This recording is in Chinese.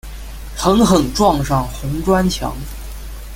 狠狠撞上红砖墙